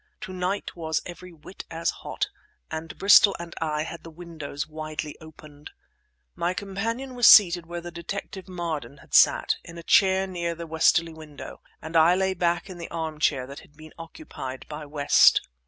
To night was every whit as hot, and Bristol and I had the windows widely opened. My companion was seated where the detective, Marden, had sat, in a chair near the westerly window, and I lay back in the armchair that had been occupied by West.